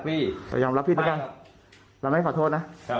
พยายามรับผิดเหมือนกันเราไม่ได้ขอโทษนะ